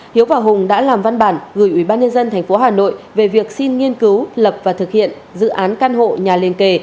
hiếu và hùng đã làm văn bản gửi ubnd tp hà nội về việc xin nghiên cứu lập và thực hiện dự án căn hộ nhà liên kề